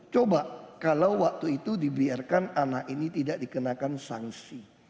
coba kalau waktu itu dibiarkan anak ini tidak dikenakan sanksi